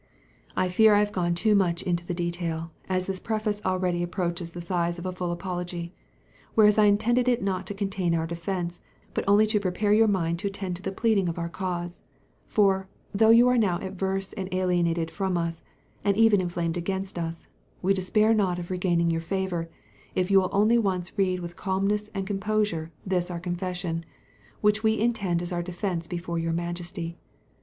I fear I have gone too much into the detail, as this preface already approaches the size of a full apology; whereas I intended it not to contain our defence, but only to prepare your mind to attend to the pleading of our cause; for, though you are now averse and alienated from us, and even inflamed against us, we despair not of regaining your favour, if you will only once read with calmness and composure this our confession, which we intend as our defence before your Majesty.